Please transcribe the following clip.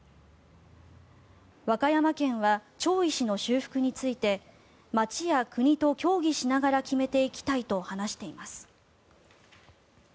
和歌山県は町石の修復について町や国と協議しながら決めていきたいと話しています。